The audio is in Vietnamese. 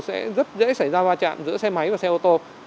sẽ rất dễ xảy ra va chạm giữa xe máy và xe ô tô